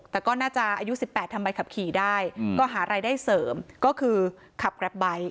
แต่ก็น่าจะอายุ๑๘ทำใบขับขี่ได้ก็หารายได้เสริมก็คือขับแกรปไบท์